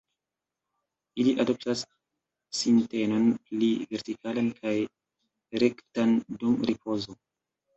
Ili adoptas sintenon pli vertikalan kaj rektan dum ripozo.